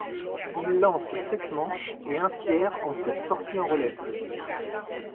Il lance sept manches et un tiers en sept sorties en relève.